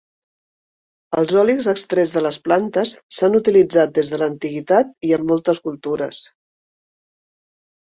Els olis extrets de les plantes s'han utilitzat des de l'antiguitat i en moltes cultures.